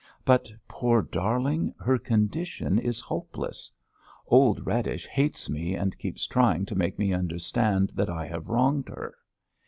But, poor darling, her condition is hopeless. Old Radish hates me and keeps trying to make me understand that I have wronged her.